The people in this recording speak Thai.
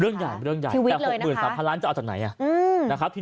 เรื่องใหญ่แต่๖๓๐๐๐ล้านจะออกจากไหน